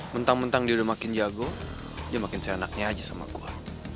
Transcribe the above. mentang mentang dia udah makin jago dia makin seenaknya aja sama gue